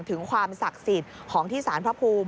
ถึงความศักดิ์สิทธิ์ของที่สารพระภูมิ